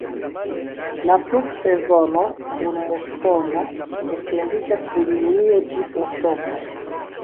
La pluvsezono kun musono etendiĝas de junio ĝis oktobro.